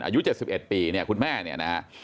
อายุ๗๑ปีเนี่ยคุณแม่เนี่ยนะฮะ